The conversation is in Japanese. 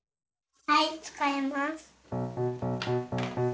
はいつかいます。